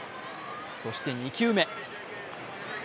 そして２球目。